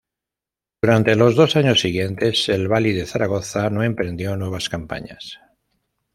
Durante los dos años siguientes, el valí de Zaragoza no emprendió nuevas campañas.